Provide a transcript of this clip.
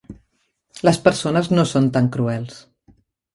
Les persones no són tan cruels.